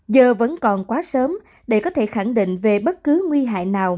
giờ vẫn còn quá sớm để có thể khẳng định về bất cứ nguy hại nào